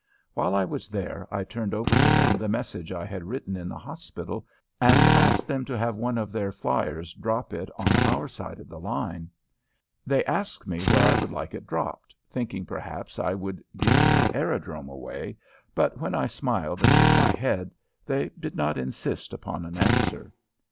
While I was there I turned over to them the message I had written in the hospital and asked them to have one of their fliers drop it on our side of the line. They asked me where I would like it dropped, thinking perhaps I would give my aerodrome away, but when I smiled and shook my head they did not insist upon an answer.